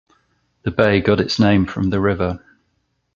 The bay got its name from the river.